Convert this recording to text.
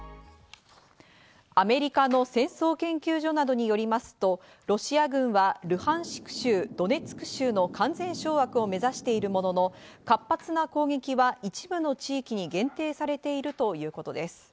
アメリカの戦争研究所などによりますと、ロシア軍はルハンシク州、ドネツク州の完全掌握を目指しているものの、活発な攻撃は一部の地域に限定されているということです。